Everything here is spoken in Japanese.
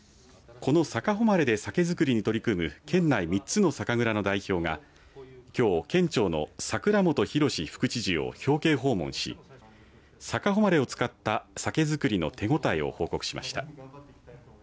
この、さかほまれで酒造りに取り組む県内３つの酒蔵の代表がきょう県庁の櫻本宏副知事を表敬訪問しさかほまれを使った酒造りの手応えを報告しました。